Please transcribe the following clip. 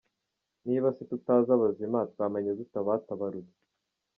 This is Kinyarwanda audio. Niba se tutazi abazima, twamenya dute abatabarutse?